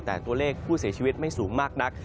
แต่ตัวเลขผู้เสียชีวิตไม่สูงมากนัก